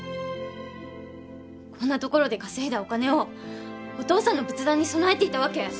こんなところで稼いだお金をお父さんの仏壇に供えていたわけ！？